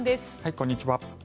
こんにちは。